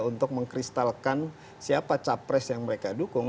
untuk mengkristalkan siapa capres yang mereka dukung